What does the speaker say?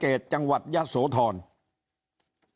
ยิ่งอาจจะมีคนเกณฑ์ไปลงเลือกตั้งล่วงหน้ากันเยอะไปหมดแบบนี้